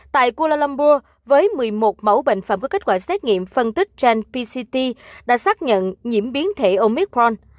tại kuala lumpur với một mươi một mẫu bệnh phẩm có kết quả xét nghiệm phân tích genpct đã xác nhận nhiễm biến thể omicron